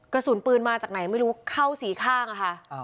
กระสุนปืนมาจากไหนไม่รู้เข้าสี่ข้างอะค่ะ